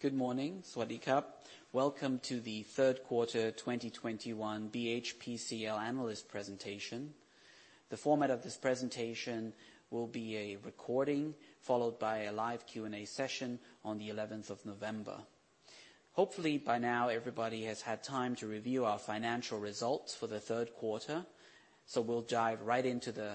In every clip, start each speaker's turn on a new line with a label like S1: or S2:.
S1: Good morning. Sawasdee krub. Welcome to the Q3 2021 BHPCL analyst presentation. The format of this presentation will be a recording, followed by a live Q&A session on the 11th of November. Hopefully by now, everybody has had time to review our financial results for the Q3, so we'll dive right into the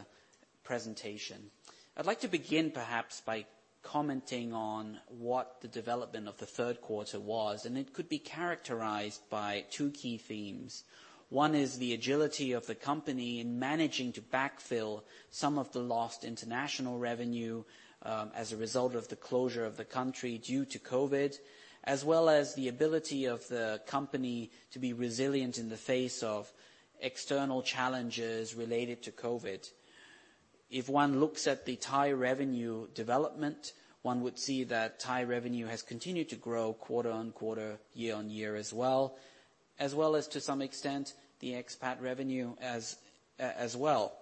S1: presentation. I'd like to begin perhaps by commenting on what the development of the Q3 was, and it could be characterized by two key themes. One is the agility of the company in managing to backfill some of the lost international revenue as a result of the closure of the country due to COVID, as well as the ability of the company to be resilient in the face of external challenges related to COVID. If one looks at the Thai revenue development, one would see that Thai revenue has continued to grow quarter on quarter, year on year as well, as well as to some extent, the expat revenue as well.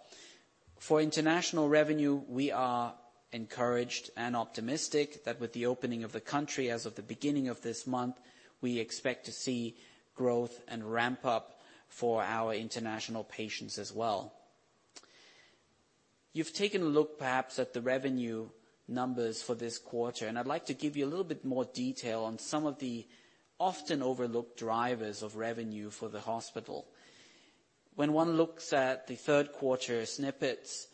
S1: For international revenue, we are encouraged and optimistic that with the opening of the country as of the beginning of this month, we expect to see growth and ramp up for our international patients as well. You've taken a look perhaps at the revenue numbers for this quarter, and I'd like to give you a little bit more detail on some of the often overlooked drivers of revenue for the hospital. When one looks at the Q3 snippets,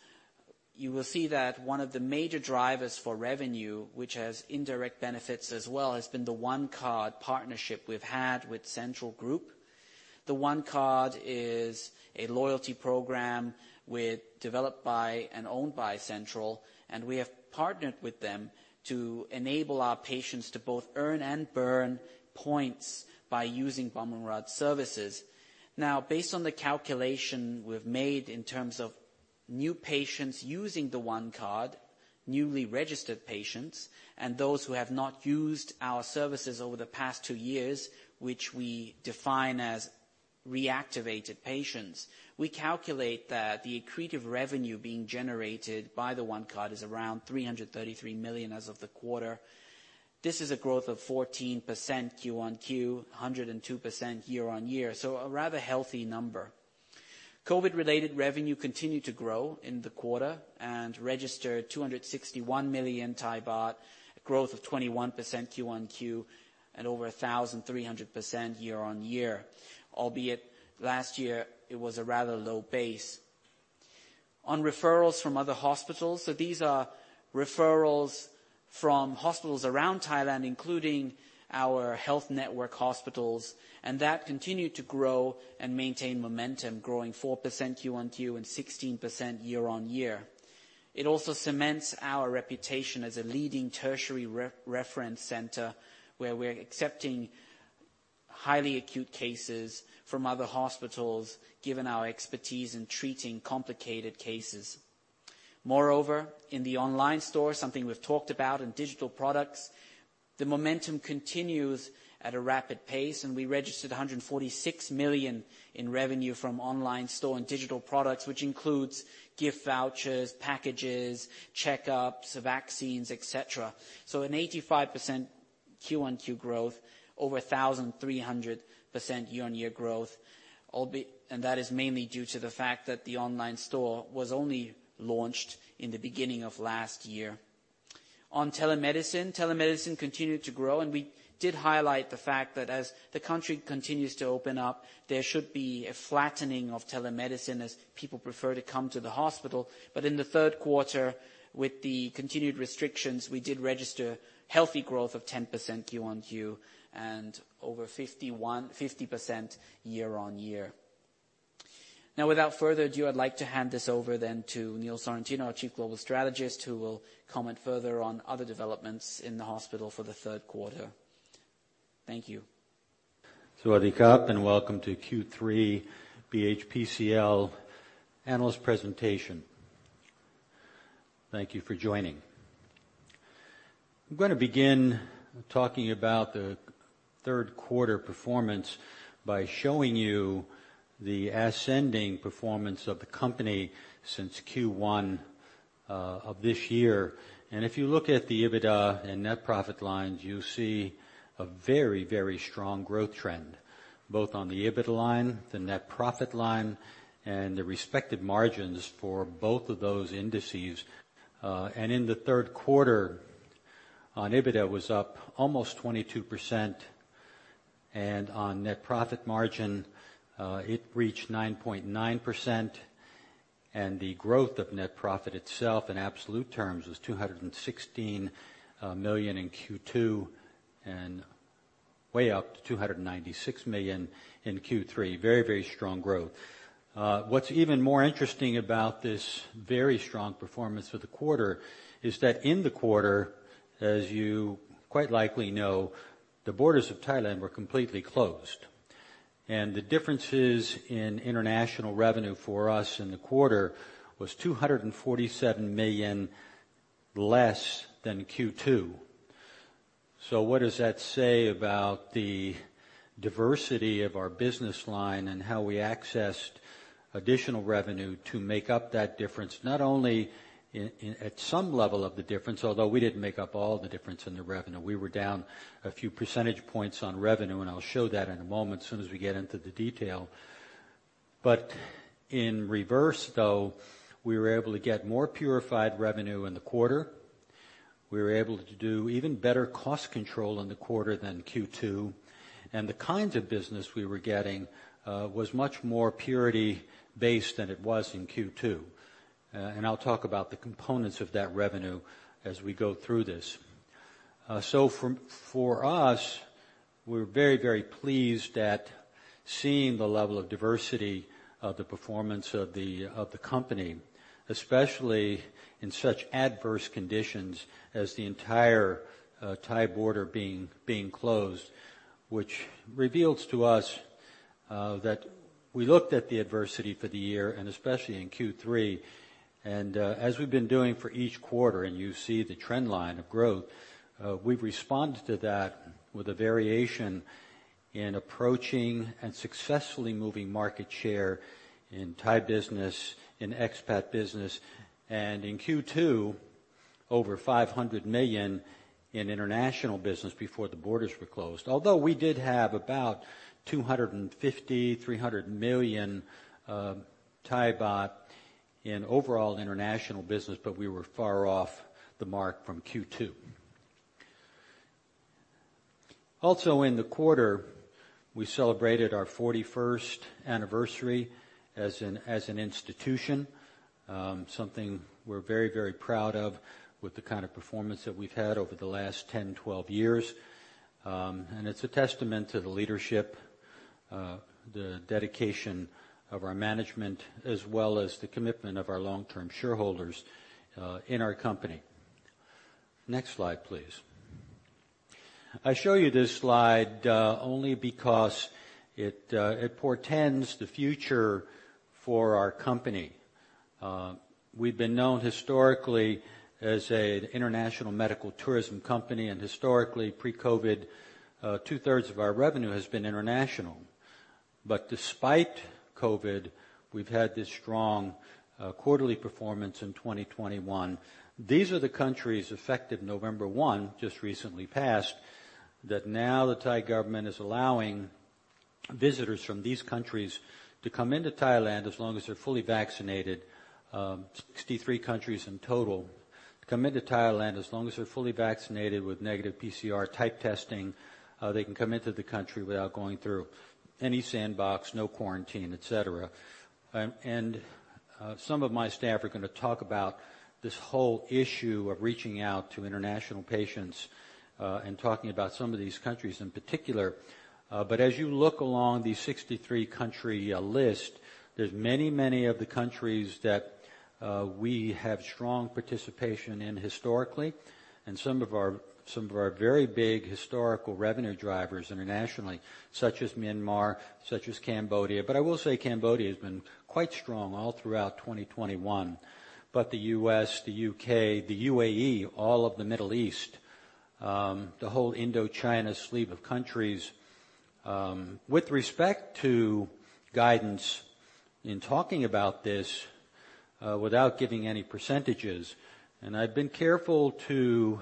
S1: you will see that one of the major drivers for revenue, which has indirect benefits as well, has been The 1 Card partnership we've had with Central Group. The 1 Card is a loyalty program developed and owned by Central Group, and we have partnered with them to enable our patients to both earn and burn points by using Bumrungrad services. Now, based on the calculation we've made in terms of new patients using the 1 Card, newly registered patients, and those who have not used our services over the past two years, which we define as reactivated patients, we calculate that the accretive revenue being generated by the 1 Card is around 333 million as of the quarter. This is a growth of 14% Q-on-Q, 102% year-on-year, so a rather healthy number. COVID-related revenue continued to grow in the quarter and registered 261 million baht, a growth of 21% Q-on-Q at over 1,300% year-on-year, albeit last year it was a rather low base. Referrals from other hospitals, so these are referrals from hospitals around Thailand, including our health network hospitals, continued to grow and maintain momentum, growing 4% Q-on-Q and 16% year-on-year. It also cements our reputation as a leading tertiary reference center, where we're accepting highly acute cases from other hospitals, given our expertise in treating complicated cases. Moreover, in the online store, something we've talked about in digital products, the momentum continues at a rapid pace, and we registered 146 million in revenue from online store and digital products, which includes gift vouchers, packages, checkups, vaccines, et cetera. An 85% Q-on-Q growth, over 1,300% year-over-year growth. That is mainly due to the fact that the online store was only launched in the beginning of last year. On telemedicine continued to grow, and we did highlight the fact that as the country continues to open up, there should be a flattening of telemedicine as people prefer to come to the hospital. In the Q3, with the continued restrictions, we did register healthy growth of 10% Q-o-Q and over 50% year-over-year. Without further ado, I'd like to hand this over then to Neil Sorrentino, our Chief Global Strategist, who will comment further on other developments in the hospital for the Q3. Thank you.
S2: Sawasdee kup, and welcome to Q3 BHPCL analyst presentation. Thank you for joining. I'm gonna begin talking about the Q3 performance by showing you the ascending performance of the company since Q1 of this year. If you look at the EBITDA and net profit lines, you see a very, very strong growth trend, both on the EBITDA line, the net profit line, and the respective margins for both of those indices. In Q3, EBITDA was up almost 22%, and on net profit margin reached 9.9%, and the growth of net profit itself in absolute terms was 216 million in Q2, increasing to 296 million in Q3. Very, very strong growth. What's even more interesting about this very strong performance for the quarter is that in the quarter, as you quite likely know, the borders of Thailand were completely closed. The differences in international revenue for us in the quarter was 247 million less than Q2. What does that say about the diversity of our business line and how we accessed additional revenue to make up that difference, not only at some level of the difference, although we didn't make up all of the difference in the revenue. We were down a few percentage points on revenue, and I'll show that in a moment as soon as we get into the detail. In reverse, though, we were able to get higher-quality revenue in the quarter. We were able to do even better cost control in the quarter than Q2, and the kinds of business we were getting was much more procedure-based than it was in Q2. I'll talk about the components of that revenue as we go through this. For us, we're very pleased at seeing the level of diversity of the performance of the company, especially in such adverse conditions as the entire Thai border being closed, which reveals to us that we looked at the adversity for the year and especially in Q3, and as we've been doing for each quarter, and you see the trend line of growth. We've responded to that with a variation in approaching and successfully moving market share in Thai business and expat business, and in Q2, over 500 million in international business before the borders were closed. Although we did have about 250 million-300 million Thai baht in overall international business, but we were far off the mark from Q2. Also in the quarter, we celebrated our 41st anniversary as an institution, something we're very, very proud of with the kind of performance that we've had over the last 10, 12 years. It's a testament to the leadership, the dedication of our management, as well as the commitment of our long-term shareholders, in our company. Next Slide, please. I show you this Slide only because it portends the future for our company. We've been known historically as an international medical tourism company, and historically pre-COVID, two-thirds of our revenue has been international. Despite COVID, we've had this strong quarterly performance in 2021. These are the countries effective November 1, just recently passed, that now the Thai government is allowing visitors from these countries to come into Thailand as long as they're fully vaccinated, 63 countries in total, to come into Thailand, as long as they're fully vaccinated with negative PCR type testing, they can come into the country without going through any Sandbox, no quarantine, et cetera. Some of my staff are gonna talk about this whole issue of reaching out to international patients, and talking about some of these countries in particular. As you look along the 63-country list, there's many, many of the countries that we have strong participation in historically, and some of our very big historical revenue drivers internationally, such as Myanmar, such as Cambodia. I will say Cambodia has been quite strong all throughout 2021, the U.S., the U.K., the UAE, all of the Middle East, the whole Indochina sleeve of countries. With respect to guidance in talking about this, without giving any percentages, and I've been careful to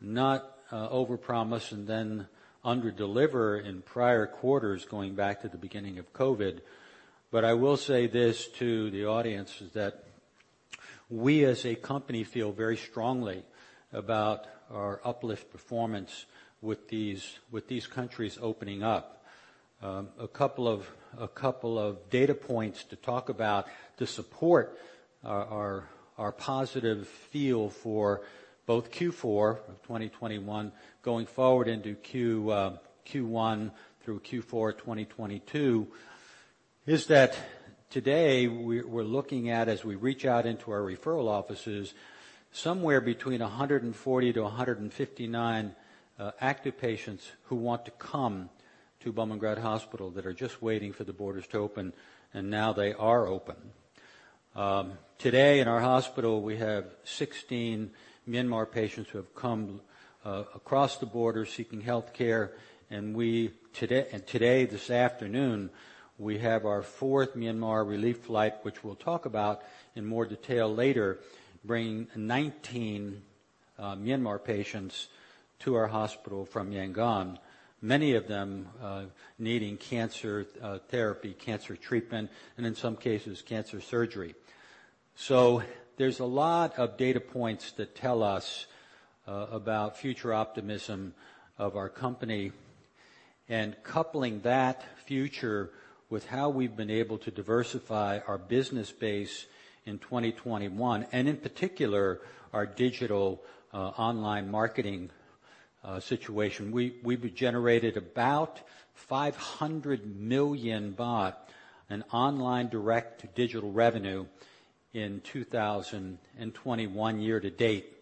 S2: not overpromise and then underdeliver in prior quarters going back to the beginning of COVID, but I will say this to the audience, is that we as a company feel very strongly about our uplift performance with these countries opening up. A couple of data points to talk about to support our positive feel for both Q4 of 2021 going forward into Q1 through Q4 2022 is that today we're looking at, as we reach out into our referral offices, somewhere between 140-159 active patients who want to come to Bumrungrad Hospital that are just waiting for the borders to open, and now they are open. Today in our hospital, we have 16 Myanmar patients who have come across the border seeking healthcare, and we today. Today, this afternoon, we have our fourth Myanmar relief flight, which we'll talk about in more detail later, bringing 19 Myanmar patients to our hospital from Yangon, many of them needing cancer therapy, cancer treatment, and in some cases, cancer surgery. There's a lot of data points that tell us about future optimism of our company and coupling that future with how we've been able to diversify our business base in 2021, and in particular, our digital online marketing situation. We've generated about 500 million baht in online direct digital revenue in 2021 year to date,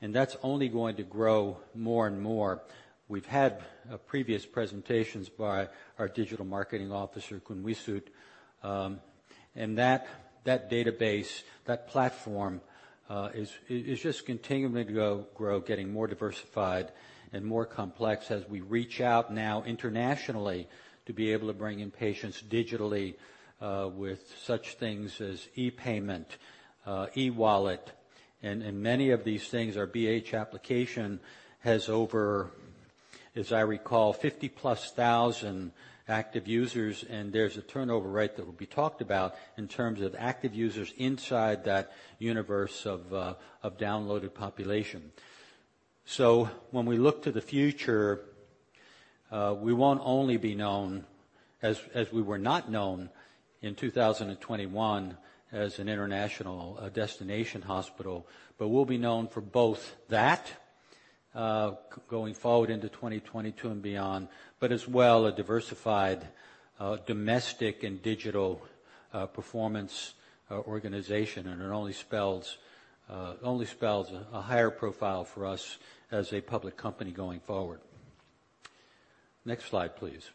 S2: and that's only going to grow more and more. We've had previous presentations by our digital marketing officer, Khun Wisut, and that database, that platform is just continuing to grow, getting more diversified and more complex as we reach out now internationally to be able to bring in patients digitally, with such things as e-payment, e-wallet. Many of these things, our BH application has over, as I recall, 50+ thousand active users, and there's a turnover rate that will be talked about in terms of active users inside that universe of downloaded population. When we look to the future, we won't only be known, as we were known in 2021 as an international destination hospital, but we'll be known for both that, going forward into 2022 and beyond, but as well, a diversified, domestic and digital performance organization. It only spells a higher profile for us as a public company going forward. Next Slide, please.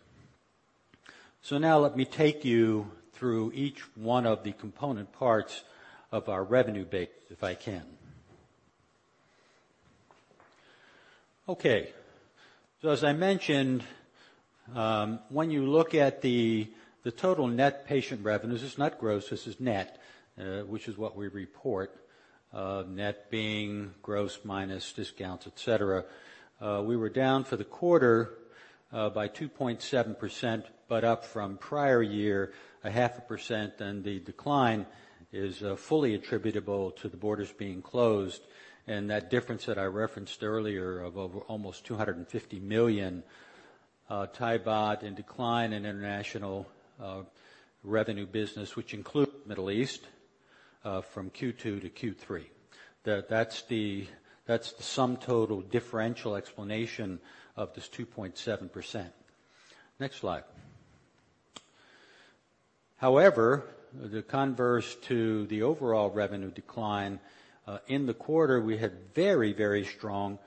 S2: Now let me take you through each one of the component parts of our revenue base, if I can. Okay. As I mentioned, when you look at the total net patient revenues, this is not gross, this is net, which is what we report, net being gross minus discounts, et cetera. We were down for the quarter by 2.7%, but up from prior year 0.5%, and the decline is fully attributable to the borders being closed and that difference that I referenced earlier of over almost 250 million baht in decline in international revenue business, which include Middle East, from Q2 to Q3. That's the sum total differential explanation of this 2.7%. Next Slide. However, the converse to the overall revenue decline in the quarter, we had very, very strong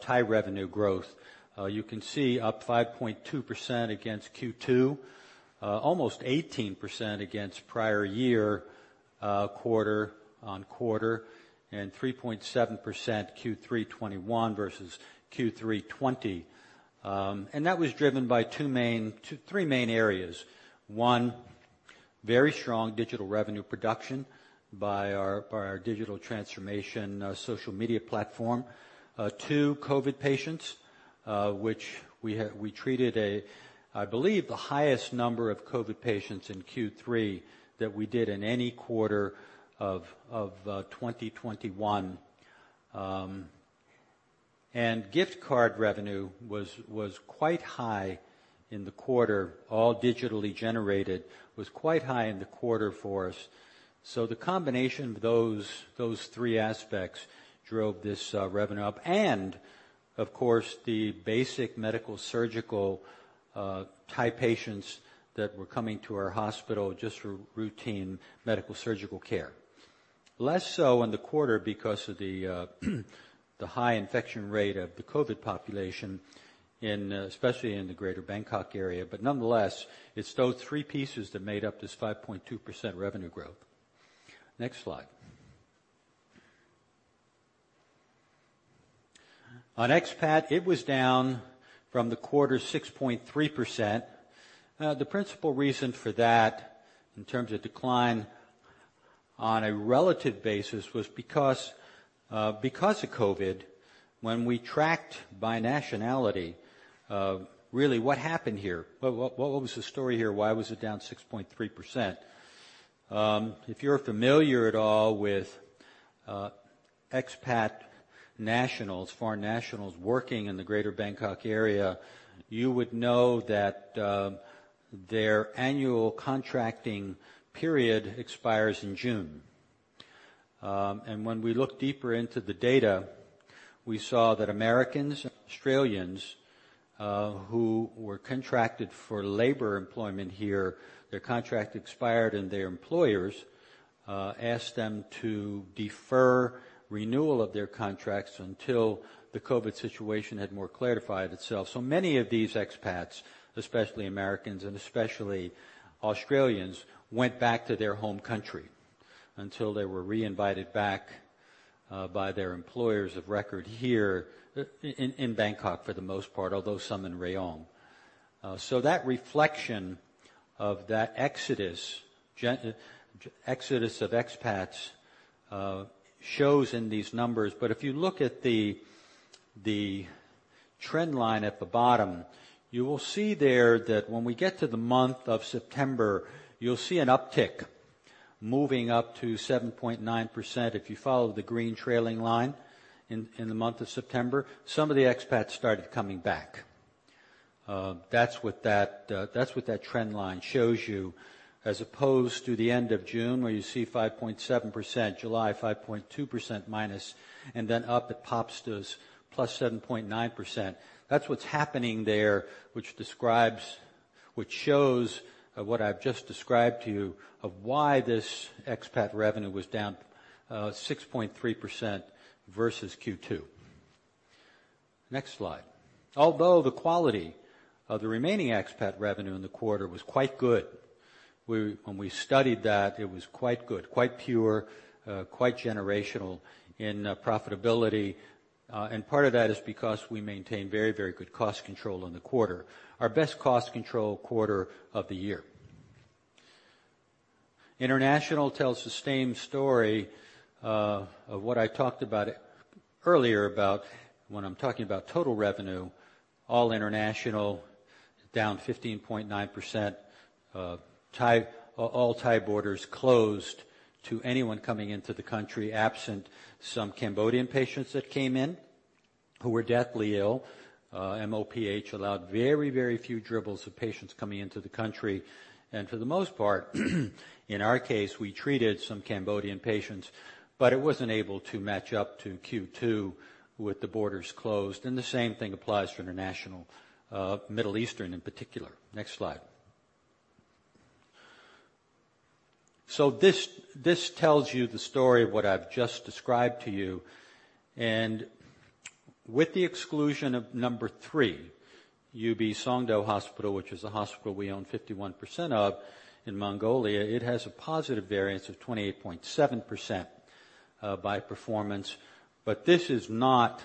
S2: Thai revenue growth. You can see up 5.2% against Q2, almost 18% against prior year quarter-on-quarter, and 3.7% Q3 2021 versus Q3 2020. And that was driven by three main areas. One, very strong digital revenue production by our digital transformation social media platform. Two, COVID patients, which we treated. I believe the highest number of COVID patients in Q3 that we did in any quarter of 2021. Gift card revenue was quite high in the quarter, all digitally generated, quite high in the quarter for us. The combination of those three aspects drove this revenue up. Of course, the basic medical surgical Thai patients that were coming to our hospital just for routine medical surgical care. Less so in the quarter because of the high infection rate of the COVID population, especially in the greater Bangkok area. Nonetheless, it's those three pieces that made up this 5.2% revenue growth. Next Slide. On expat, it was down for the quarter 6.3%. The principal reason for that in terms of decline on a relative basis was because of COVID. When we tracked by nationality, really what happened here? What was the story here? Why was it down 6.3%? If you're familiar at all with expat nationals, foreign nationals working in the greater Bangkok area, you would know that their annual contracting period expires in June. When we look deeper into the data, we saw that Americans and Australians who were contracted for labor employment here, their contract expired, and their employers asked them to defer renewal of their contracts until the COVID situation had more clarity. Many of these expats, especially Americans and especially Australians, went back to their home country until they were reinvited back by their employers of record here in Bangkok for the most part, although some in Rayong. That reflection of that exodus of expats shows in these numbers. If you look at the trend line at the bottom, you will see there that when we get to the month of September, you'll see an uptick moving up to 7.9% if you follow the green trailing line in the month of September. Some of the expats started coming back. That's what that trend line shows you as opposed to the end of June, where you see 5.7%, July, -5.2%, and then up it pops to plus 7.9%. That's what's happening there, which shows what I've just described to you of why this expat revenue was down 6.3% versus Q2. Next Slide. Although the quality of the remaining expat revenue in the quarter was quite good. When we studied that, it was quite good, quite pure, quite generational in profitability. Part of that is because we maintained very, very good cost control in the quarter. Our best cost control quarter of the year. International tells the same story of what I talked about earlier about when I'm talking about total revenue, all international down 15.9%. All Thai borders closed to anyone coming into the country, absent some Cambodian patients that came in, who were deathly ill. MOPH allowed very, very few dribbles of patients coming into the country. For the most part, in our case, we treated some Cambodian patients, but it wasn't able to match up to Q2 with the borders closed. The same thing applies for international, Middle Eastern in particular. Next Slide. This tells you the story of what I've just described to you. With the exclusion of number 3, UB Songdo Hospital, in which we hold a 51% stake in Mongolia it has a positive variance of 28.7% by performance. This is not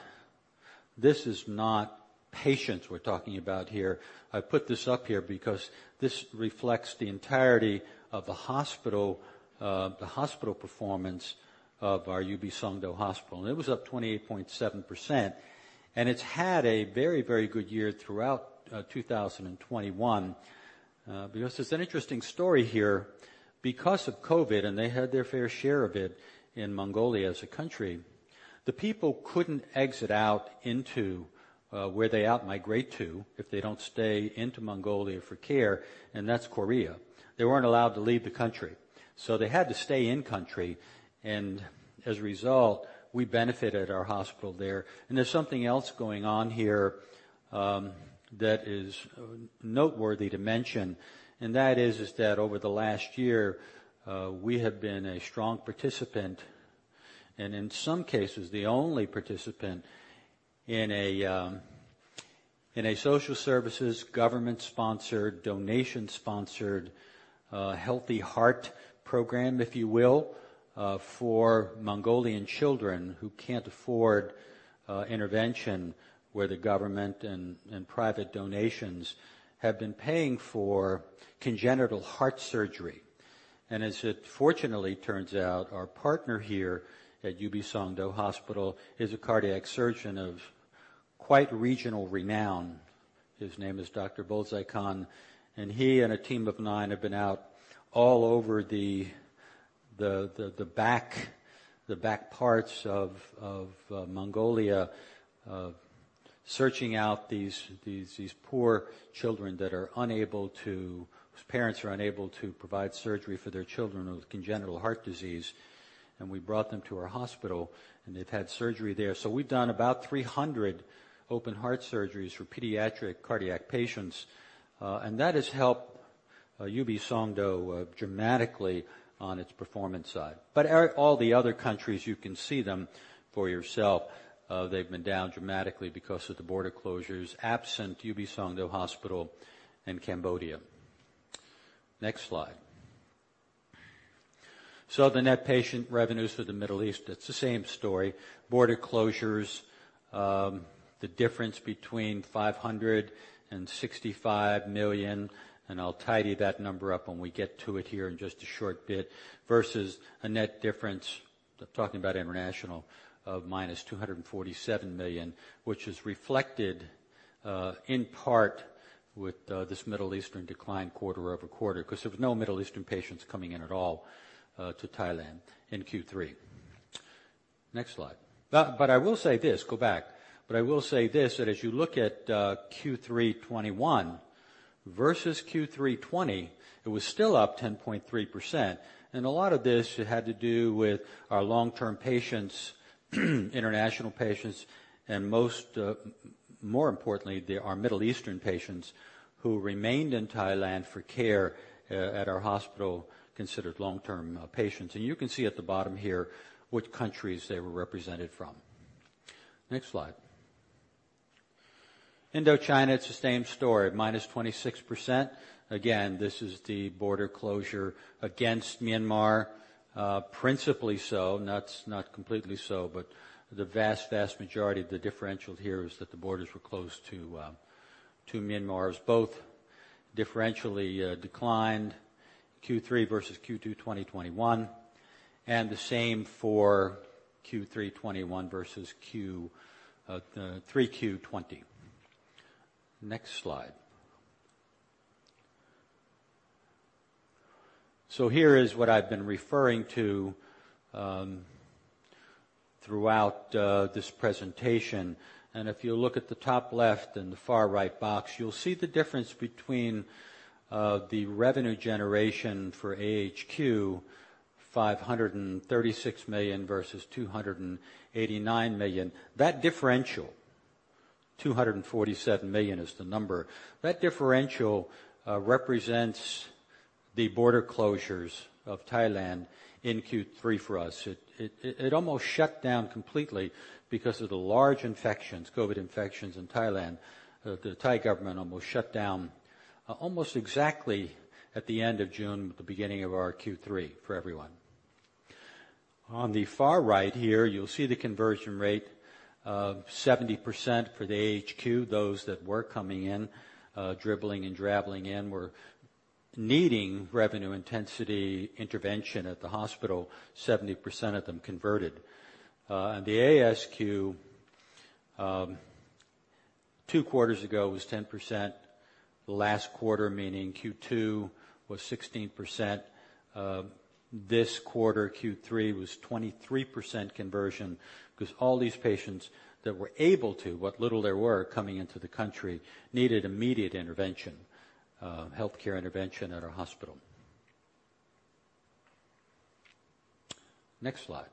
S2: patients we're talking about here. I put this up here because this reflects the entirety of the hospital performance of our UB Songdo Hospital, and it was up 28.7%. It's had a very, very good year throughout 2021. There's an interesting story here. Because of COVID, and they had their fair share of it in Mongolia as a country, the people couldn't exit out to where they emigrate to if they don't stay in Mongolia for care, and that's Korea. They weren't allowed to leave the country. They had to stay in country, and as a result, we benefited our hospital there. There's something else going on here that is noteworthy to mention. That is over the last year, we have been a strong participant, and in some cases the only participant, in a social services, government-sponsored, donation-sponsored healthy heart program, if you will, for Mongolian children who can't afford intervention, where the government and private donations have been paying for congenital heart surgery. As it fortunately turns out, our partner here at UB Songdo Hospital is a cardiac surgeon of quite regional renown. His name is Dr. Bolorkhuu Khan, and he and a team of nine have been out all over the back parts of Mongolia, searching out these poor children whose parents are unable to provide surgery for their children with congenital heart disease. We brought them to our hospital, and they've had surgery there. We've done about 300 open heart surgeries for pediatric cardiac patients, and that has helped UB Songdo Hospital dramatically on its performance side. All the other countries, you can see them for yourself. They've been down dramatically because of the border closures, absent UB Songdo Hospital and Cambodia. Next Slide. The net patient revenues for the Middle East, it's the same story. Border closures, the difference between 565 million, and I'll tidy that number up when we get to it here in just a short bit, versus a net difference, I'm talking about international, of -247 million, which is reflected in part with this Middle Eastern decline quarter-over-quarter, because there was no Middle Eastern patients coming in at all to Thailand in Q3. I will say this, that as you look at Q3 2021 versus Q3 2020, it was still up 10.3%. A lot of this had to do with our long-term patients, international patients, and most, more importantly, they are Middle Eastern patients who remained in Thailand for care at our hospital, considered long-term patients. You can see at the bottom here which countries they were represented from. Next Slide. Indochina, it's the same story, -26%. Again, this is the border closure against Myanmar, principally so, not completely so. The vast majority of the differential here is that the borders were closed to Myanmars, both differentially declined Q3 versus Q2 2021, and the same for Q3 2021 versus Q3 2020. Next Slide. Here is what I've been referring to throughout this presentation. If you look at the top left and the far right box, you'll see the difference between the revenue generation for Alternative Hospital Quarantine, 536 million versus 289 million. That differential, 247 million is the number. That differential represents the border closures of Thailand in Q3 for us. It almost shut down completely because of the large infections, COVID infections in Thailand. The Thai government almost shut down almost exactly at the end of June, the beginning of our Q3 for everyone. On the far right here, you'll see the conversion rate of 70% for the Alternative Hospital Quarantine. Those that were coming in, dribbling and drabbling in, were needing revenue intensity intervention at the hospital. 70% of them converted. The Alternative State Quarantine two quarters ago was 10%. Last quarter, meaning Q2, was 16%. This quarter, Q3, was 23% conversion, because all these patients that were able to, what little there were coming into the country, needed immediate intervention, healthcare intervention at our hospital. Next Slide.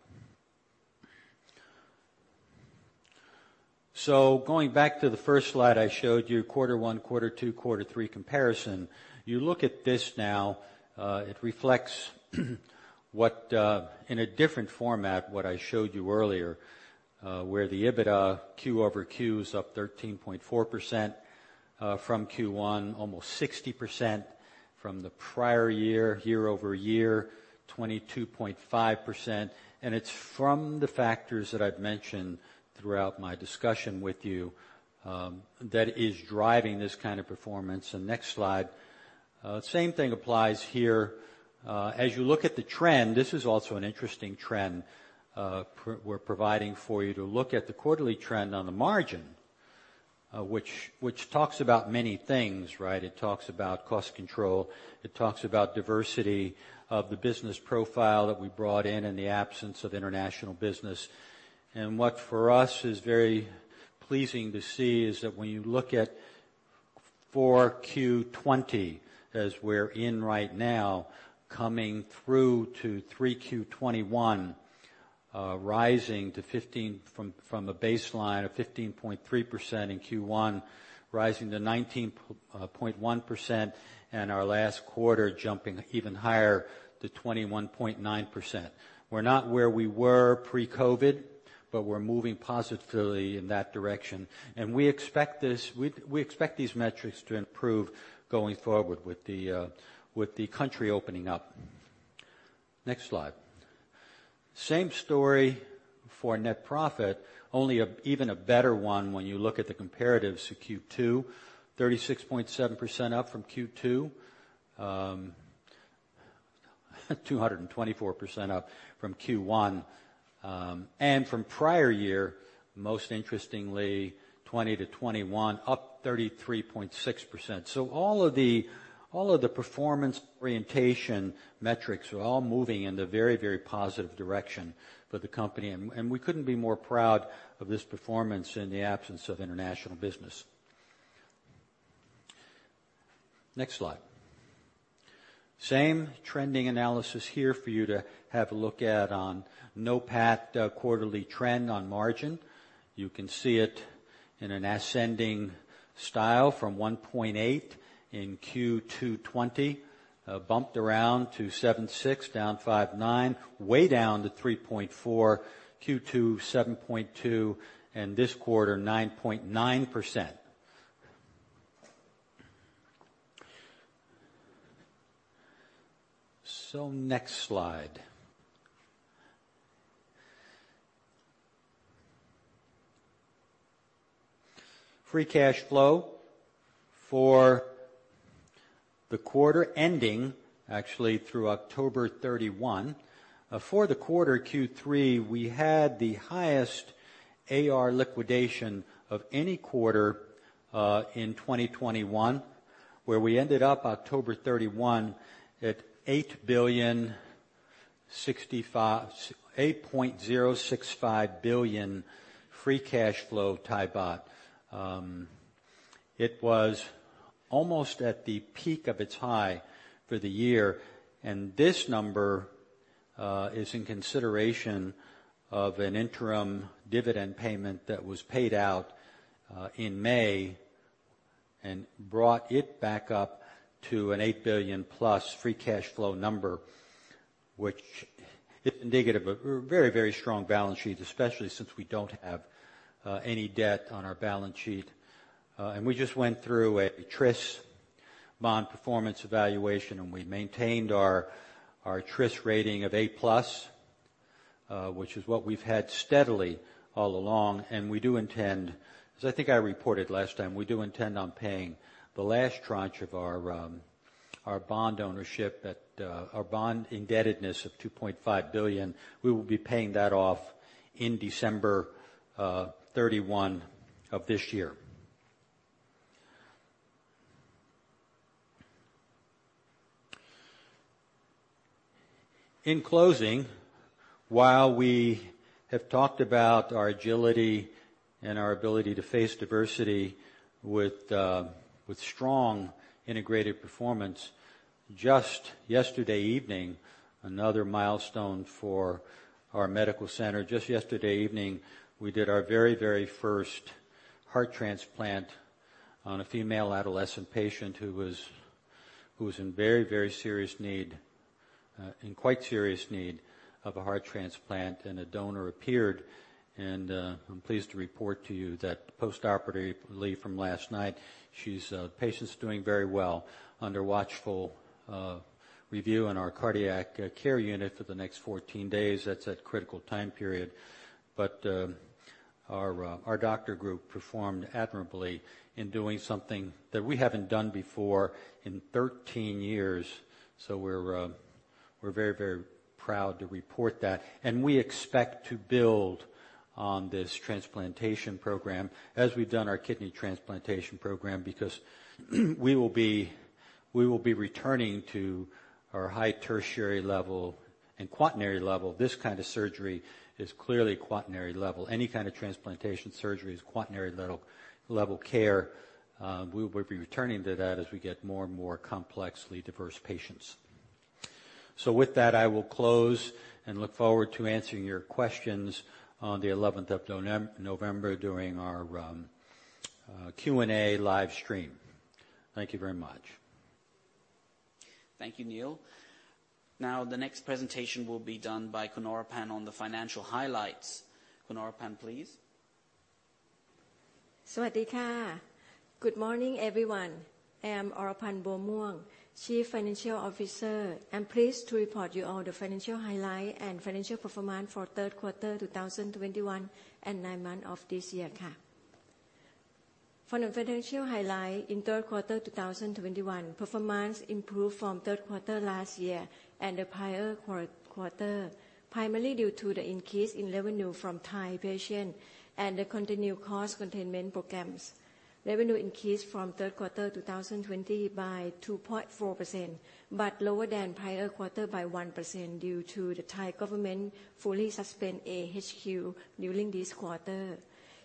S2: Going back to the first Slide I showed you, quarter one, quarter two, quarter three comparison. You look at this now, it reflects what, in a different format, what I showed you earlier, where the EBITDA quarter-over-quarter is up 13.4%, from Q1, almost 60% from the prior year-over-year, 22.5%. It's from the factors that I've mentioned throughout my discussion with you, that is driving this kind of performance. Next Slide. Same thing applies here. As you look at the trend, this is also an interesting trend, we're providing for you to look at the quarterly trend on the margin, which talks about many things, right? It talks about cost control. It talks about diversity of the business profile that we brought in the absence of international business. What for us is very pleasing to see is that when you look at 4Q20, as we're in right now, coming through to 3Q21, rising to 15 from a baseline of 15.3% in Q1, rising to 19.1%, and our last quarter jumping even higher to 21.9%. We're not where we were pre-COVID, but we're moving positively in that direction. We expect these metrics to improve going forward with the country opening up. Next Slide. Same story for net profit, only an even better one when you look at the comparatives to Q2. 36.7% up from Q2. 224% up from Q1. From prior year, most interestingly, 2020 to 2021, up 33.6%. All of the performance orientation metrics are all moving in a very, very positive direction for the company. We couldn't be more proud of this performance in the absence of international business. Next Slide. Same trending analysis here for you to have a look at on NOPAT quarterly trend on margin. You can see it in an ascending style from 1.8% in Q2 2020, bumped around to 7.6%, down 5.9%, way down to 3.4%, Q2 7.2%, and this quarter, 9.9%. Next Slide. Free cash flow for the quarter ending actually through October 31. For the quarter Q3, we had the highest AR liquidation of any quarter in 2021, where we ended up October 31 at 8.065 billion in free cash flow. It was almost at the peak of its high for the year, and this number is in consideration of an interim dividend payment that was paid out in May and brought it back up to a 8 billion+ free cash flow number, which isn't negative, but we have a very, very strong balance sheet, especially since we don't have any debt on our balance sheet. We just went through a TRIS Rating bond performance evaluation, and we maintained our TRIS rating of A+, which is what we've had steadily all along. We do intend... I think I reported last time we do intend on paying the last tranche of our bond ownership at our bond indebtedness of 2.5 billion. We will be paying that off in December 31 of this year. In closing, while we have talked about our agility and our ability to face diversity with strong integrated performance, just yesterday evening, another milestone for our medical center. Just yesterday evening, we did our very first heart transplant on a female adolescent patient who was in very serious need of a heart transplant, and a donor appeared. I'm pleased to report to you that post-operatively from last night, she's, the patient's doing very well under watchful review in our cardiac care unit for the next 14 days. That's the critical time period. our medical team performed admirably in doing something that we haven't done before in 13 years. We're very proud to report that. We expect to build on this transplantation program as we've done our kidney transplantation program, because we will be returning to our high tertiary level and quaternary level. This kind of surgery is clearly quaternary level. Any kind of transplantation surgery is quaternary level care. We're returning to that as we get more and more complexly diverse patients. With that, I will close and look forward to answering your questions on the 11th of November during our Q&A live stream. Thank you very much.
S1: Thank you, Neil. Now, the next presentation will be done by Khun Orapan on the financial highlights. Khun Orapan, please.
S3: Good morning, everyone. I am Orapan Buamuang, Chief Financial Officer. I'm pleased to report to you all the financial highlight and financial performance for Q3 2021, and nine months of this year. For the financial highlight in Q3 2021, performance improved from Q3 last year and the prior quarter, primarily due to the increase in revenue from Thai patients and the continued cost containment programs. Revenue increased from Q3 2020 by 2.4%, but lower than prior quarter by 1% due to the Thai government full suspension of Alternative Hospital Quarantine during this quarter.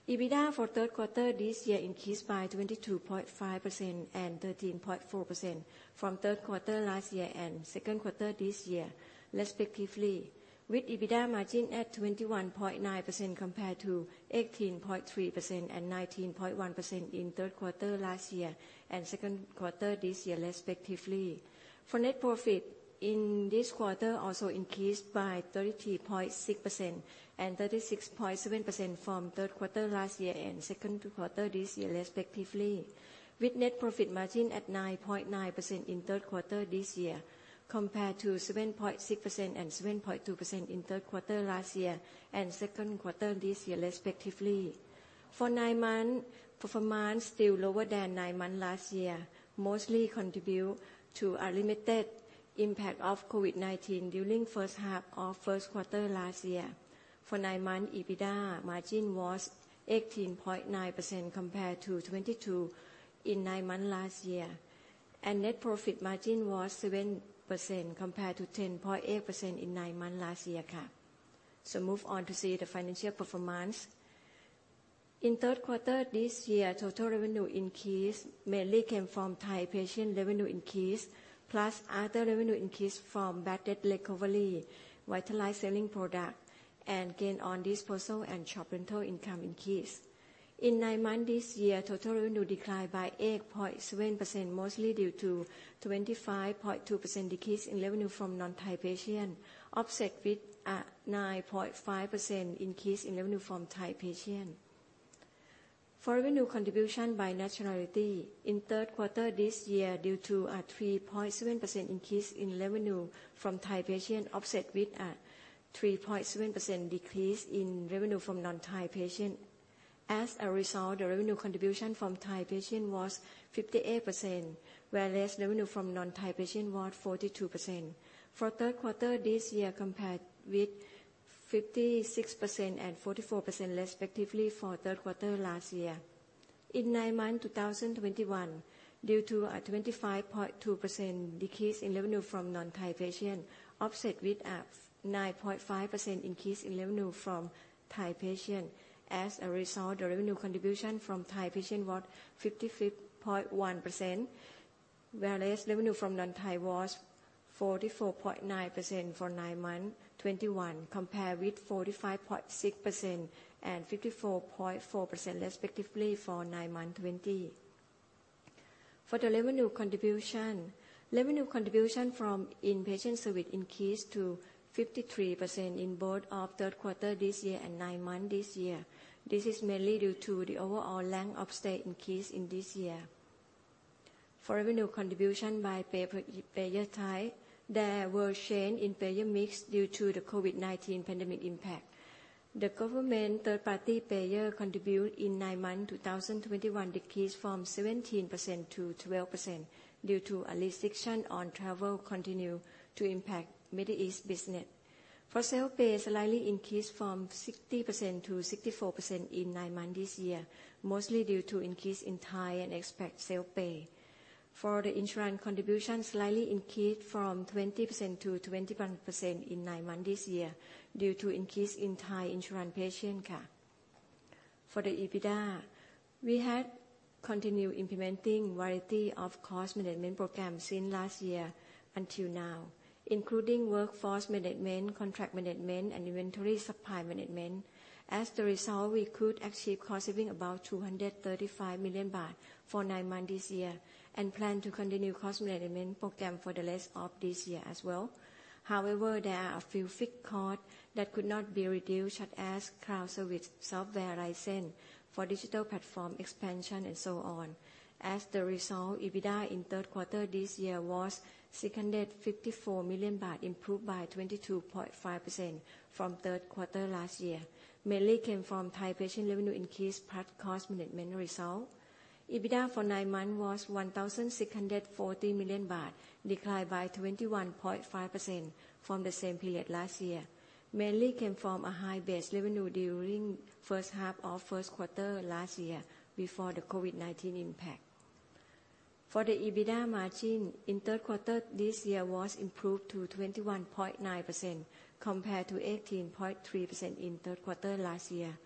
S3: EBITDA for the Q3 this year increased by 22.5% and 13.4% from the Q3 last year and the Q2 this year, respectively, with EBITDA margin at 21.9% compared to 18.3% and 19.1% in the Q3 last year and the Q2 this year, respectively. Net profit in this quarter also increased by 33.6% and 36.7% from the Q3 last year and the Q2 this year, respectively, with net profit margin at 9.9% in the Q3 this year, compared to 7.6% and 7.2% in the Q3 last year and the Q2 this year, respectively. For nine months, performance still lower than nine months last year, mostly due to a limited impact of COVID-19 during first half of Q1 last year. For the nine-month period, EBITDA margin was 18.9% compared to 22% in 9 months last year, and net profit margin was 7% compared to 10.8% in 9 months last year. Move on to see the financial performance. In Q3 this year, total revenue increased mainly came from Thai patient revenue increased, plus other revenue increased from bad debt recovery, VitalLife selling product and gain on disposal and shop rental income increased. In 9 months this year, total revenue declined by 8.7%, mostly due to 25.2% decrease in revenue from non-Thai patient, offset with a 9.5% increase in revenue from Thai patient. For revenue contribution by nationality in Q3 this year, due to a 3.7% increase in revenue from Thai patient offset with a 3.7% decrease in revenue from non-Thai patient. As a result, the revenue contribution from Thai patient was 58%, whereas revenue from non-Thai patient was 42% for Q3 this year, compared with 56% and 44%, respectively, for Q3 last year. In nine-month 2021, due to a 25.2% decrease in revenue from non-Thai patient offset with a 9.5% increase in revenue from Thai patient. As a result, the revenue contribution from Thai patient was 55.1%, whereas revenue from non-Thai was 44.9% for nine-month 2021 compared with 45.6% and 54.4%, respectively, for nine-month 2020. For the revenue contribution, revenue contribution from inpatient service increased to 53% in both the Q3 this year and nine months this year. This is mainly due to the overall length of stay increased this year. For revenue contribution by payer type, there was a change in payer mix due to the COVID-19 pandemic impact. The government third-party payer contribution in nine-month 2021 decreased from 17% to 12% due to restrictions on travel continuing to impact Middle East business. For self-pay, slightly increased from 60% to 64% in nine months this year, mostly due to increase in Thai and expat self-pay. For the insurance contribution, slightly increased from 20% to 21% in nine months this year due to increase in Thai insurance patient. For the EBITDA, we had continued implementing variety of cost management programs since last year until now, including workforce management, contract management, and inventory supply management. As the result, we could achieve cost saving about 235 million baht for nine months this year. Plan to continue cost management program for the rest of this year as well. However, there are a few fixed cost that could not be reduced, such as cloud service software license for digital platform expansion and so on. As the result, EBITDA in Q3 this year was 54 million baht, improved by 22.5% from Q3 last year, mainly came from Thai patient revenue increase plus cost management result. EBITDA for nine months was 1,640 million baht, declined by 21.5% from the same period last year. Mainly came from a high base revenue during first half of Q1 last year before the COVID-19 impact. For the EBITDA margin, in Q3 this year was improved to 21.9% compared to 18.3% in Q3 last year.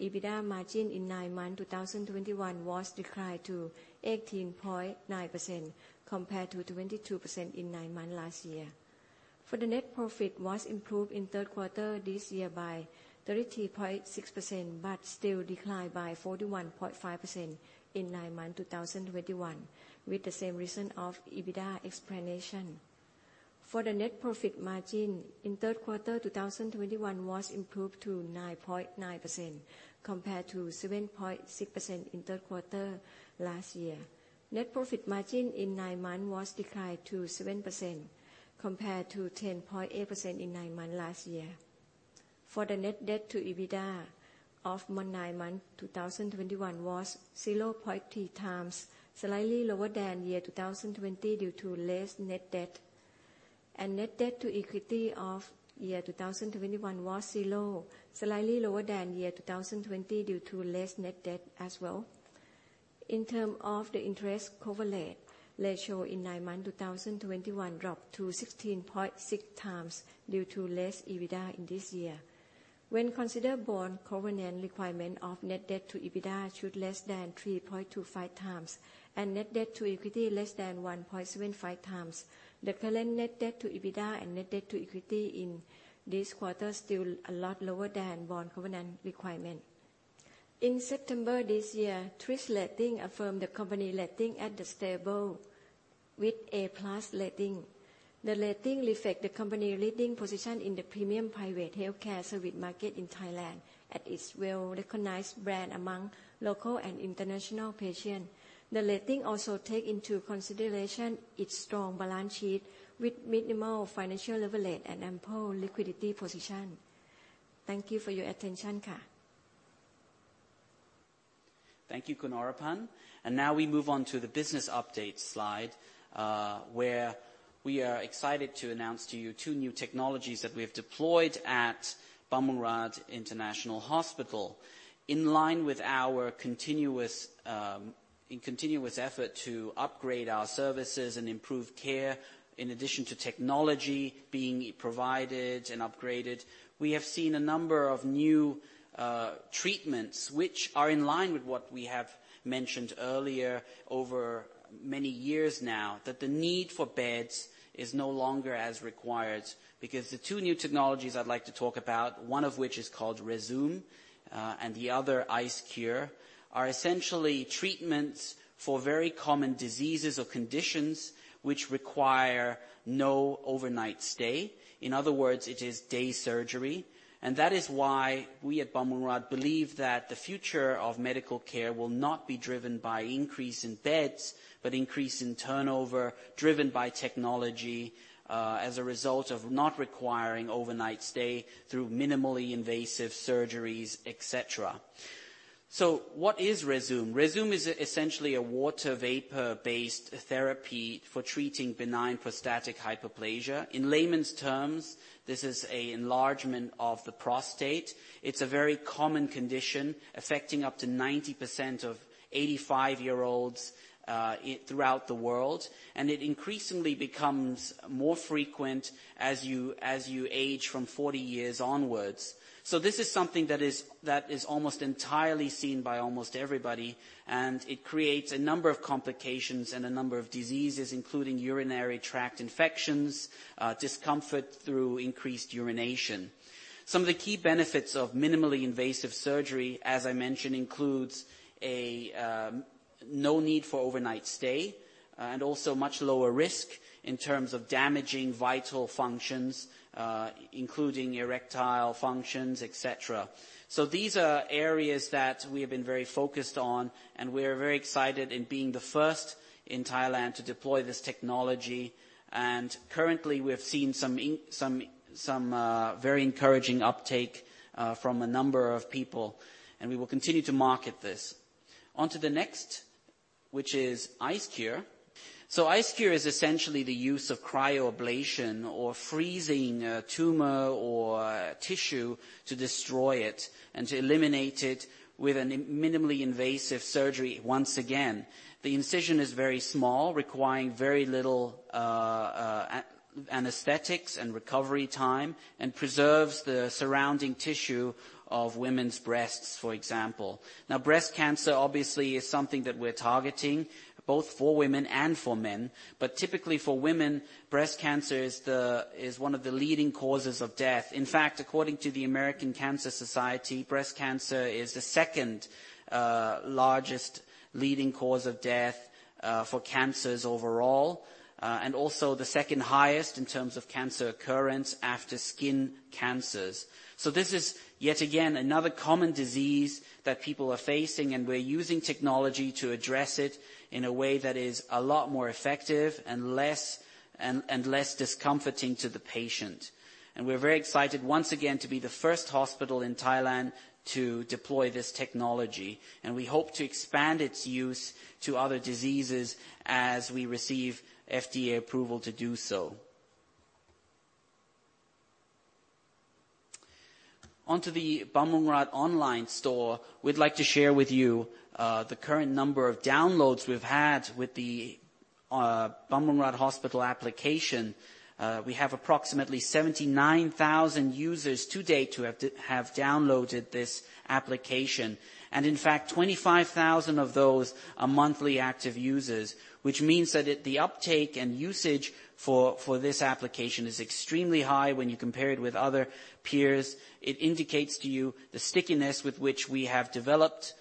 S3: EBITDA margin in 9-month 2021 was declined to 18.9% compared to 22% in 9 months last year. For the net profit was improved in Q3 this year by 33.6%, but still declined by 41.5% in 9 month 2021, with the same reason of EBITDA explanation. For the net profit margin in Q3 2021 was improved to 9.9% compared to 7.6% in Q3 last year. Net profit margin in nine months was declined to 7% compared to 10.8% in nine months last year. For the net debt to EBITDA of nine months 2021 was 0.3 times, slightly lower than year 2020 due to less net debt. net debt-to-equity for 2021 was zero, slightly lower than year 2020 due to less net debt as well. In terms of the interest coverage ratio in nine months 2021 dropped to 16.6 times due to less EBITDA in this year. When considering bond covenant requirement of net debt to EBITDA should be less than 3.25 times, and net debt to equity less than 1.75 times, the current net debt to EBITDA and net debt to equity in this quarter still a lot lower than bond covenant requirement. In September this year, Fitch Ratings affirmed the company’s A+ rating with a stable outlook. The rating reflects the company leading position in the premium private healthcare service market in Thailand and its well-recognized brand among local and international patients. The rating also takes into consideration its strong balance sheet with minimal financial leverage and ample liquidity position. Thank you for your attention, ka.
S1: Thank you, Khun Orapan. Now we move on to the business update Slide, where we are excited to announce to you two new technologies that we have deployed at Bumrungrad International Hospital. In line with our continuous effort to upgrade our services and improve care, in addition to technology being provided and upgraded, we have seen a number of new treatments which are in line with what we have mentioned earlier over many years now, that the need for beds is no longer as required. Because the two new technologies I'd like to talk about, one of which is called Rezūm, and the other IceCure, are essentially treatments for very common diseases or conditions which require no overnight stay. In other words, it is day surgery. That is why we at Bumrungrad believe that the future of medical care will not be driven by increase in beds, but increase in turnover, driven by technology, as a result of not requiring overnight stay through minimally invasive surgeries, et cetera. What is Rezūm? Rezūm is essentially a water vapor-based therapy for treating benign prostatic hyperplasia. In layman's terms, this is a enlargement of the prostate. It's a very common condition affecting up to 90% of 85-year-olds throughout the world, and it increasingly becomes more frequent as you age from 40 years onwards. This is something that is almost entirely seen by almost everybody, and it creates a number of complications and a number of diseases, including urinary tract infections, discomfort through increased urination. Some of the key benefits of minimally invasive surgery, as I mentioned, includes no need for overnight stay, and also much lower risk in terms of damaging vital functions, including erectile functions, et cetera. These are areas that we have been very focused on, and we are very excited in being the first in Thailand to deploy this technology. Currently, we have seen some very encouraging uptake from a number of people, and we will continue to market this. On to the next, which is IceCure. IceCure is essentially the use of cryoablation or freezing a tumor or tissue to destroy it and to eliminate it with a minimally invasive surgery. Once again, the incision is very small, requiring very little anesthetics and recovery time, and preserves the surrounding tissue of women's breasts, for example. Now, breast cancer obviously is something that we're targeting both for women and for men. Typically for women, breast cancer is one of the leading causes of death. In fact, according to the American Cancer Society, breast cancer is the second leading cause of cancer-related death, and also the second highest in terms of cancer occurrence after skin cancers. This is yet again another common disease that people are facing, and we're using technology to address it in a way that is a lot more effective and less discomforting to the patient. We're very excited once again to be the first hospital in Thailand to deploy this technology, and we hope to expand its use to other diseases as we receive FDA approval to do so. On to the Bumrungrad online store. We'd like to share with you the current number of downloads we've had with the Bumrungrad Hospital application. We have approximately 79,000 users to date who have downloaded this application, and in fact, 25,000 of those are monthly active users, which means that it, the uptake and usage for this application is extremely high when you compare it with other peers. It indicates to you the stickiness with which we have developed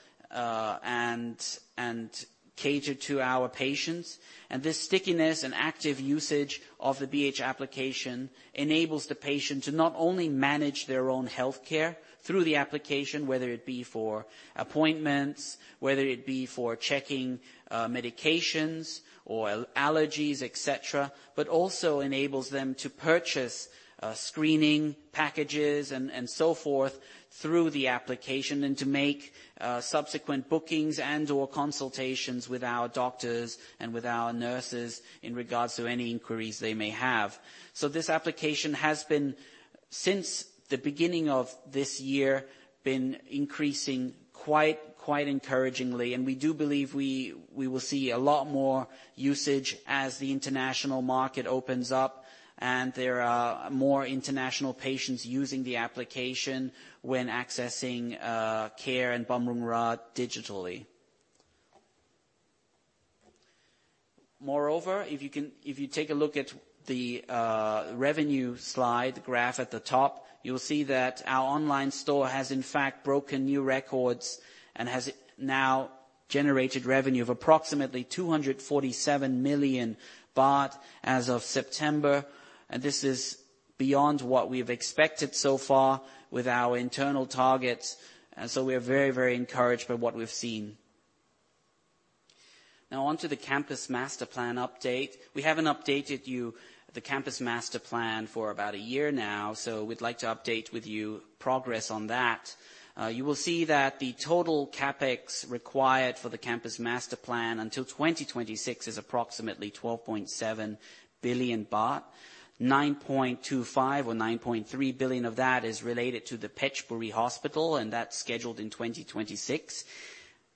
S1: and catered to our patients. This stickiness and active usage of the BH application enables the patient to not only manage their own healthcare through the application, whether it be for appointments, whether it be for checking medications or allergies, et cetera, but also enables them to purchase screening packages and so forth through the application and to make subsequent bookings and/or consultations with our doctors and with our nurses in regards to any inquiries they may have. This application has been, since the beginning of this year, increasing quite encouragingly, and we do believe we will see a lot more usage as the international market opens up and there are more international patients using the application when accessing care in Bumrungrad digitally. Moreover, if you can... If you take a look at the revenue Slide graph at the top, you'll see that our online store has in fact broken new records and has now generated revenue of approximately 247 million baht as of September. This is beyond what we've expected so far with our internal targets. We are very, very encouraged by what we've seen. Now on to the Campus Master Plan update. We haven't updated you on the Campus Master Plan for about a year now, so we'd like to update you with progress on that. You will see that the total CapEx required for the Campus Master Plan until 2026 is approximately 12.7 billion baht. 9.25 or 9.3 billion of that is related to the Phetchaburi Hospital, and that's scheduled in 2026.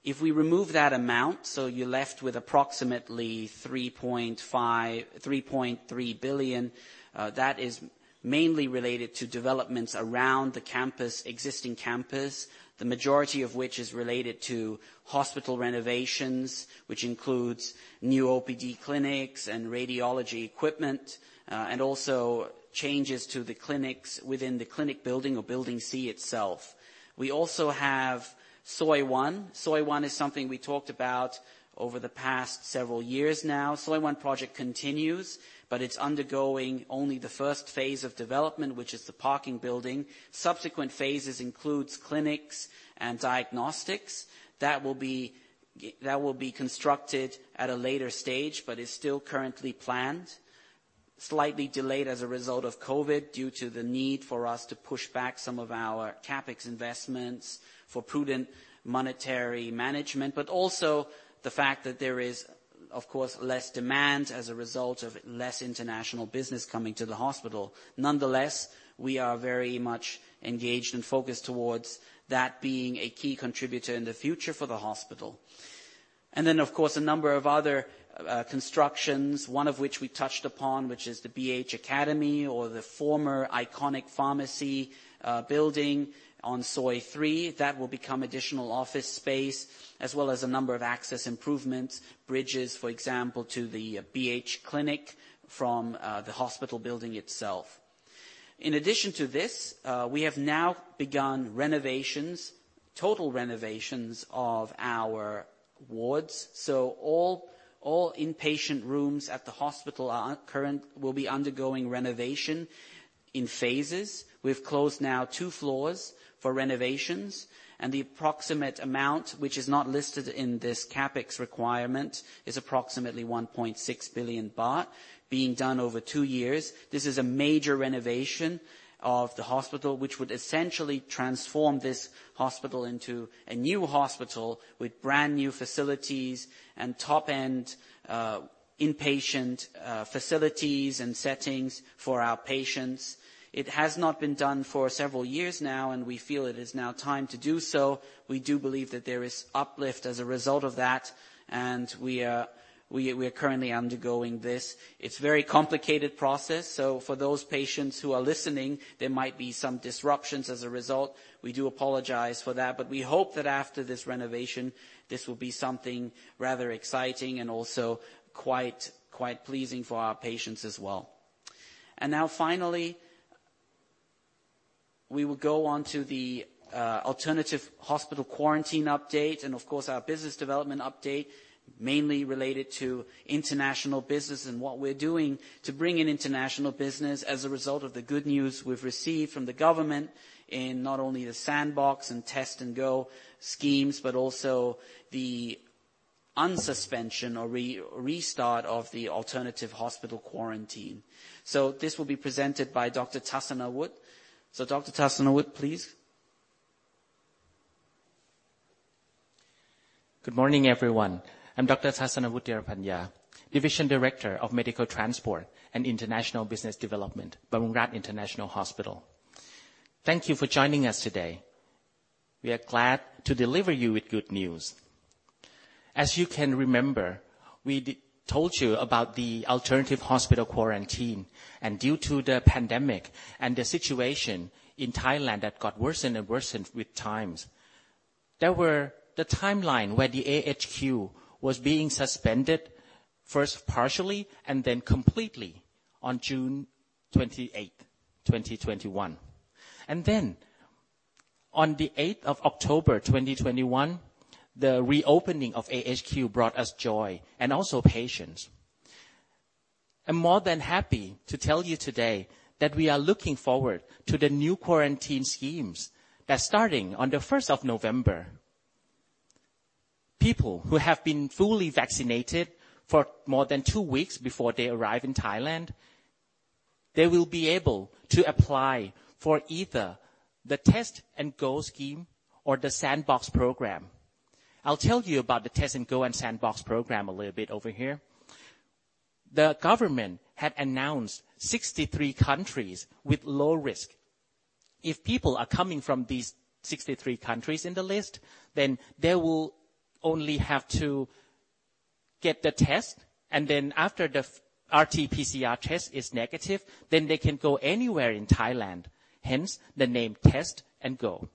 S1: If we remove that amount, you're left with approximately 3.3 billion that is mainly related to developments around the campus, existing campus, the majority of which is related to hospital renovations, which includes new OPD clinics and radiology equipment, and also changes to the clinics within the clinic building or building C itself. We also have Soi 1. Soi 1 is something we talked about over the past several years now. Soi 1 project continues, but it's undergoing only the first phase of development, which is the parking building. Subsequent phases includes clinics and diagnostics that will be constructed at a later stage, but is still currently planned. Slightly delayed as a result of COVID due to the need for us to push back some of our CapEx investments for prudent monetary management, but also the fact that there is, of course, less demand as a result of less international business coming to the hospital. Nonetheless, we are very much engaged and focused towards that being a key contributor in the future for the hospital. Of course, a number of other constructions, one of which we touched upon, which is the BH Academy or the former iconic pharmacy building on Soi 3. That will become additional office space as well as a number of access improvements, bridges, for example, to the BH clinic from the hospital building itself. In addition to this, we have now begun renovations, total renovations of our wards. All inpatient rooms at the hospital will be undergoing renovation in phases. We've closed now two floors for renovations, and the approximate amount which is not listed in this CapEx requirement is approximately 1.6 billion baht being done over two years. This is a major renovation of the hospital, which would essentially transform this hospital into a new hospital with brand-new facilities and top-end inpatient facilities and settings for our patients. It has not been done for several years now, and we feel it is now time to do so. We do believe that there is uplift as a result of that, and we are currently undergoing this. It's a very complicated process, so for those patients who are listening, there might be some disruptions as a result. We do apologize for that, but we hope that after this renovation, this will be something rather exciting and also quite pleasing for our patients as well. Now finally, we will go on to the alternative hospital quarantine update and of course our business development update, mainly related to international business and what we're doing to bring in international business as a result of the good news we've received from the government in not only the Sandbox and Test & Go schemes, but also the unsuspension or restart of the alternative hospital quarantine. This will be presented by Dr. Thassanawut, Dr. Thassanawut please.
S4: Good morning, everyone. I'm Dr. Thassanawut Dhearapanya, Division Director of Medical Transport and International Business Development, Bumrungrad International Hospital. Thank you for joining us today. We are glad to deliver you with good news. As you can remember, we told you about the alternative hospital quarantine, and due to the pandemic and the situation in Thailand that got worsened and worsened with times, there were the period during which Alternative Hospital Quarantine was suspended first, partially, and then completely on June 28th, 2021. On the 8th of October, 2021, the reopening of Alternative Hospital Quarantine brought us joy and also patients. I'm more than happy to tell you today that we are looking forward to the new quarantine schemes that starting on the 1st of November. People who have been fully vaccinated for more than two weeks before they arrive in Thailand, they will be able to apply for either the Test & Go scheme or the Sandbox program. I'll tell you about the Test & Go and Sandbox program a little bit over here. The government had announced 63 countries with low risk. If people are coming from these 63 countries in the list, then they will only have to get the test, and then after the RT-PCR test is negative, then they can go anywhere in Thailand. Hence, the name Test & Go.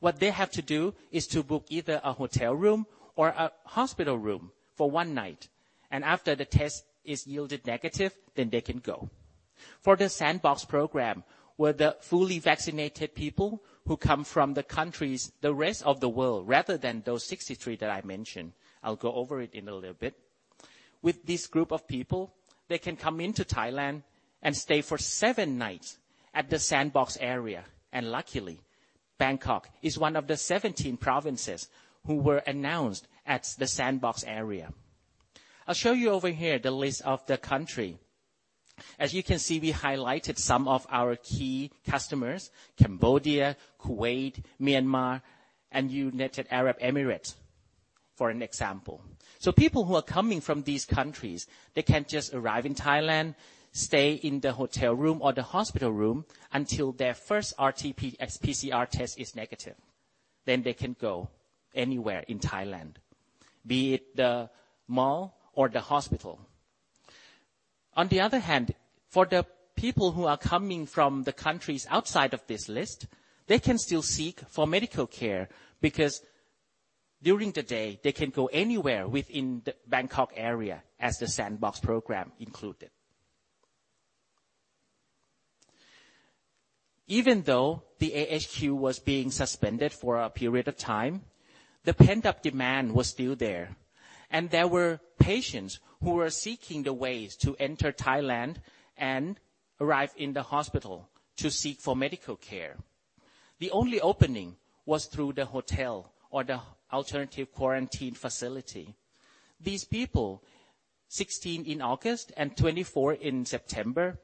S4: What they have to do is to book either a hotel room or a hospital room for one night, and after the test is yielded negative, then they can go. For the Sandbox program, where the fully vaccinated people who come from the countries, the rest of the world, rather than those 63 that I mentioned, I'll go over it in a little bit. With this group of people, they can come into Thailand and stay for 7 nights at the Sandbox area. Luckily, Bangkok is one of the 17 provinces who were announced at the Sandbox area. I'll show you over here the list of the country. As you can see, we highlighted some of our key customers, Cambodia, Kuwait, Myanmar, and United Arab Emirates, for an example. People who are coming from these countries, they can just arrive in Thailand, stay in the hotel room or the hospital room until their first RT-PCR test is negative. They can go anywhere in Thailand, be it the mall or the hospital. On the other hand, for the people who are coming from the countries outside of this list, they can still seek for medical care because during the day, they can go anywhere within the Bangkok area as the Sandbox program included. Even though the Alternative Hospital Quarantine was being suspended for a period of time, the pent-up demand was still there, and there were patients who were seeking the ways to enter Thailand and arrive in the hospital to seek for medical care. The only opening was through the hotel or the alternative quarantine facility. These people, 16 in August and 24 in September,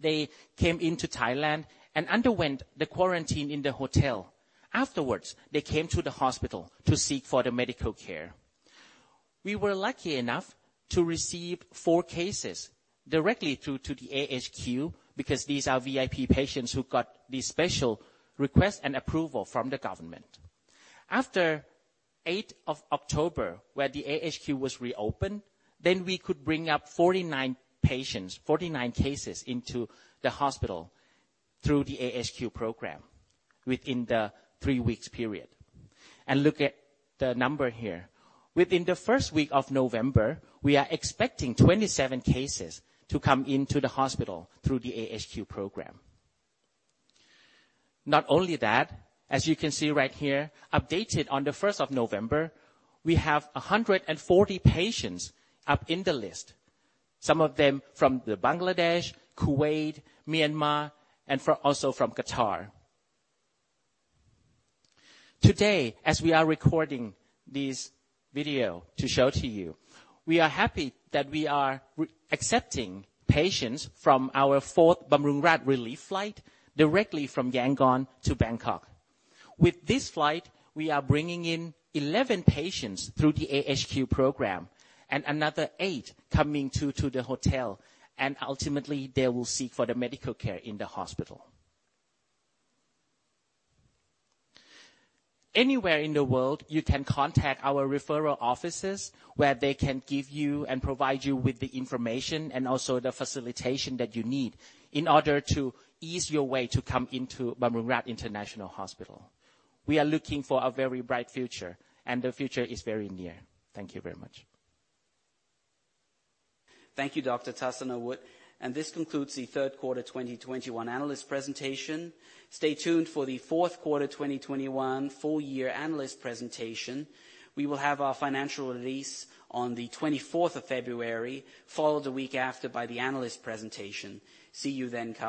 S4: they came into Thailand and underwent the quarantine in the hotel. Afterwards, they came to the hospital to seek for the medical care. We were lucky enough to receive 4 cases directly through to the Alternative Hospital Quarantine because these are VIP patients who got the special request and approval from the government. After 8th of October, where the Alternative Hospital Quarantine was reopened, then we could bring up 49 patients, 49 cases into the hospital through the Alternative Hospital Quarantine program within the three weeks period. Look at the number here. Within the first week of November, we are expecting 27 cases to come into the hospital through the Alternative Hospital Quarantine program. Not only that, as you can see right here, updated on the 1st of November, we have 140 patients up in the list, some of them from Bangladesh, Kuwait, Myanmar, and also from Qatar. Today, as we are recording this video to show to you, we are currently receiving patients from our fourth Bumrungrad relief flight directly from Yangon to Bangkok. With this flight, we are bringing in 11 patients through the Alternative Hospital Quarantine program and another 8 coming to the hotel. Ultimately, they will seek for the medical care in the hospital. Anywhere in the world, you can contact our referral offices, where they can give you and provide you with the information and also the facilitation that you need in order to ease your way to come into Bumrungrad International Hospital. We are looking for a very bright future, and the future is very near. Thank you very much.
S1: Thank you, Dr. Tasanawoot. This concludes the Q3 2021 analyst presentation. Stay tuned for the Q4 2021 full year analyst presentation. We will have our financial release on the 24th of February, followed a week after by the analyst presentation. See you then. Thank you.